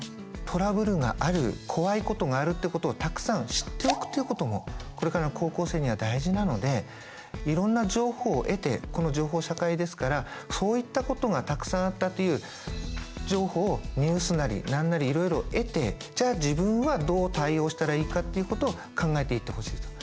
トラブルがある怖いことがあるってことをたくさん知っておくということもこれからの高校生には大事なのでいろんな情報を得てこの情報社会ですからそういったことがたくさんあったという情報をニュースなり何なりいろいろ得てじゃあ自分はどう対応したらいいかっていうことを考えていってほしいと。